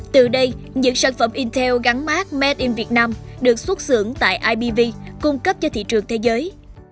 từ đây những sản phẩm intel gắn mát made in vietnam được xuất xưởng tại ibv cung cấp cho thị trường thế giới